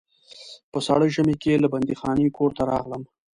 په ساړه ژمي کې له بندیخانې کور ته راغلم.